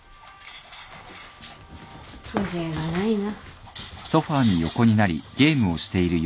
風情がないな。